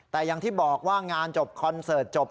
แต่อย่างที่บอกว่างานจบคอนเสิร์ตจบ